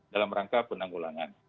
dalam rangka penanggulangan